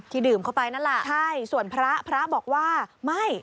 ดื่มเข้าไปนั่นแหละใช่ส่วนพระพระบอกว่าไม่